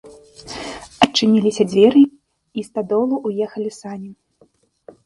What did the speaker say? Адчыніліся дзверы, і ў стадолу ўехалі сані.